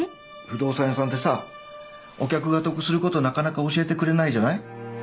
不動産屋さんってさお客が得することなかなか教えてくれないじゃない。